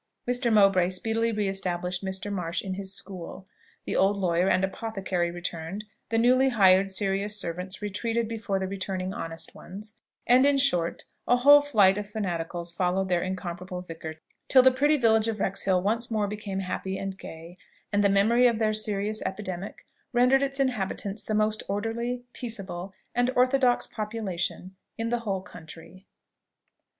Mr. Mowbray speedily re established Mr. Marsh in his school; the old lawyer and apothecary returned; the newly hired serious servants retreated before the returning honest ones and, in short, a whole flight of fanaticals followed their incomparable vicar, till the pretty village of Wrexhill once more became happy and gay, and the memory of their serious epidemic rendered its inhabitants the most orderly, peaceable, and orthodox population in the whole country.